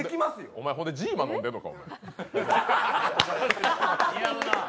お前、そんでジーマ飲んでんのか。